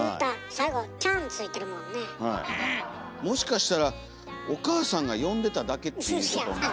もしかしたらお母さんが呼んでただけっていうことも。